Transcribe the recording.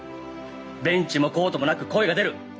ベンチもコートもなく声が出る！